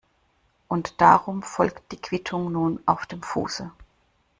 Und darum folgt die Quittung nun auf dem Fuße.